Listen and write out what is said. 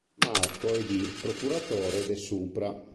Marco e di "Procuratore de Supra".